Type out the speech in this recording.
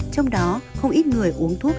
trong đó không ít người uống thuốc